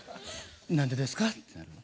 何でですかってなる。